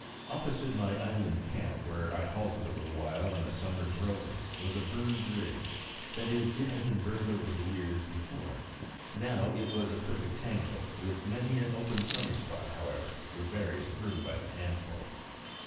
Opposite my island camp, where I halted a little while, in a summer's roving, was a burned ridge; that is, it had been burned over years before; now it was a perfect tangle, with many an open sunny spot, however, where berries grew by handfuls.